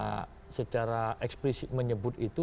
karena secara eksplisit menyebut itu